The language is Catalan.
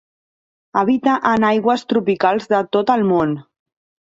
Habita en aigües tropicals de tot el món.